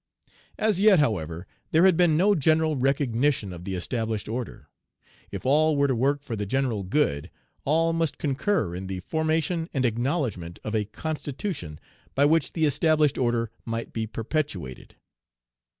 As yet, however, there had been no general recognition of the established order. If all were to work for the general good, all must concur in the formation and acknowledgment of a constitution by which the established order might be perpetuated.